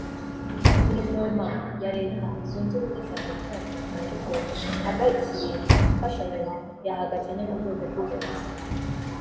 Guverinoma ya Leta Zunze Ubumwe za Amerika yatangaje ko ihagarikiye imfashanyo yahaga Kenya mu rwego rw’uburezi